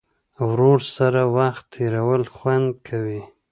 ورور سره وخت تېرول خوند کوي.